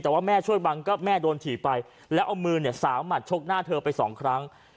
แต่ว่าแม่ช่วยบังก็แม่โดนถี่ไปแล้วเอามือเนี่ยสาวหมัดชกหน้าเธอไปสองครั้ง